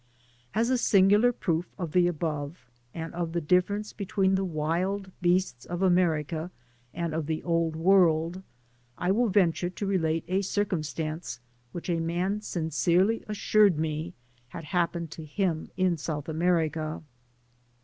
As a singular proof of the above, and of the dif ference between the wild beasts of America and of the Old World, I will venture to relate a circum* Digitized byGoogk TUB PAMPAS. 109 Stance which a man sincerely assured me had hap« pened to him in South America.